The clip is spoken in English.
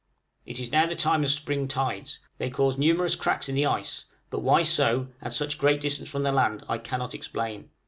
It is now the time of spring tides; they cause numerous cracks in the ice; but why so, at such a great distance from the land, I cannot explain.